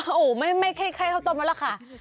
โอ้โหไม่ใช่ข้าวต้มแล้วล่ะค่ะ